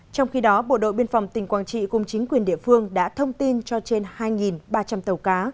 trong khi đó bộ đội biên phòng tỉnh quảng trị cùng chính quyền địa phương đã thông tin cho trên hai ba trăm linh tàu cá